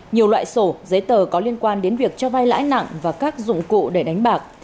nhiều loại sổ giấy tờ có liên quan đến việc cho vai lãi nặng và các dụng cụ để đánh bạc